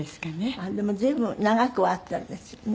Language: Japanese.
ああでも随分長くはあったんですよね。